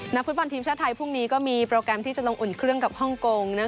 ฟุตบอลทีมชาติไทยพรุ่งนี้ก็มีโปรแกรมที่จะลงอุ่นเครื่องกับฮ่องกง